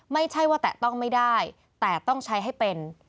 ไม่ใช่ว่าแตะต้องไม่ได้แต่ต้องใช้ให้เป็น